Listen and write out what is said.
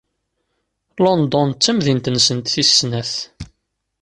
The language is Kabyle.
London d tamdint-nsent tis snat.